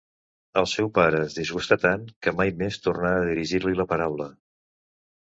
El seu pare es disgustà tant que mai més tornà a dirigir-li la paraula.